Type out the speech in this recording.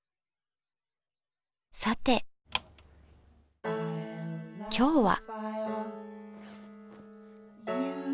さて今日は？